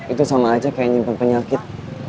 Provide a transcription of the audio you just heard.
itu sama aja kayak nyimpan penyakit